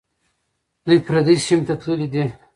دوی پردي سیمې ته تللي دي.